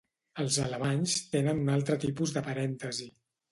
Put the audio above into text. Els alemanys tenen un altre tipus de parèntesi.